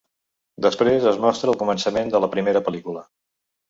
Després, es mostra el començament de la primera pel·lícula.